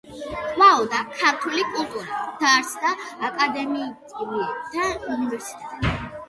ყვაოდა ქართული კულტურა, დაარსდა აკადემიები და უნივერსიტეტები.